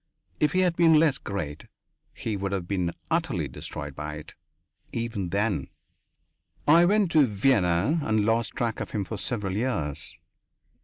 If he had been less great, he would have been utterly destroyed by it, even then. I went to Vienna, and lost track of him for several years.